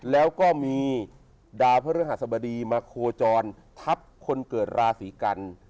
แล้วก็มีดาวพระฤหัสบดีมาโคจรทับคนเกิดราศีกัน